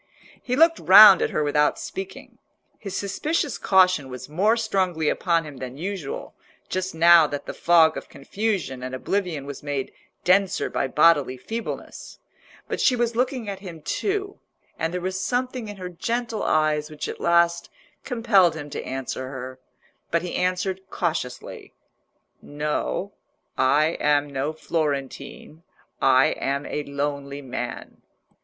He looked round at her without speaking. His suspicious caution was more strongly upon him than usual, just now that the fog of confusion and oblivion was made denser by bodily feebleness. But she was looking at him too, and there was something in her gentle eyes which at last compelled him to answer her. But he answered cautiously— "No, I am no Florentine; I am a lonely man."